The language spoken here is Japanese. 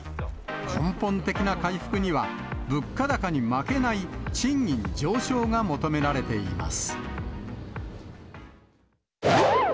根本的な回復には、物価高に負けない賃金上昇が求められています。